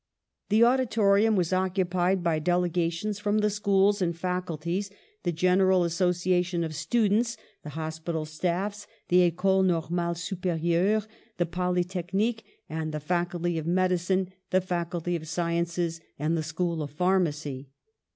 The auditorium was occupied by delegations from the schools and faculties, the General As sociation of Students, the hospital staffs, the Ecole Normale Superieure, the Polytechnique, the Faculty of Medicine, the Faculty of Sci ences, and the School of Pharmacy.